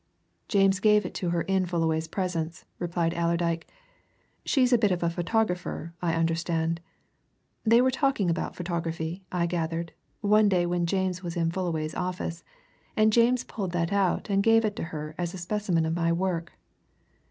"James gave it to her in Fullaway's presence," replied Allerdyke. "She's a bit of a photographer, I understand they were talking about photography, I gathered, one day when James was in Fullaway's office, and James pulled that out and gave it to her as a specimen of my work."